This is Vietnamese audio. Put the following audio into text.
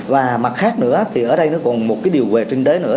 và mặt khác nữa thì ở đây nó còn một cái điều về trinh đế nữa